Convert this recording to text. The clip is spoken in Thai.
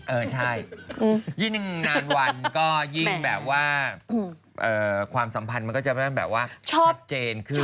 เออใช่ยิ่งนานวันก็ยิ่งแบบว่าความสัมพันธ์มันก็จะแบบว่าชัดเจนขึ้น